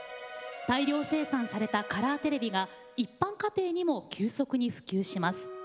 大量生産されたカラーテレビが一般家庭にも急速に普及します。